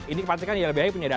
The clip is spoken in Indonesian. ini kepentingan ilbh punya jadwal